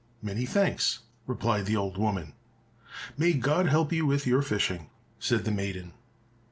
"Many thanks," replied the old woman. "May God help you with your fishing," said the maiden.